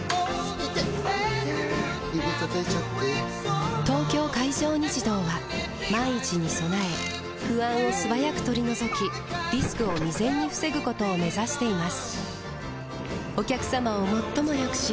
指たたいちゃって・・・「東京海上日動」は万一に備え不安を素早く取り除きリスクを未然に防ぐことを目指しています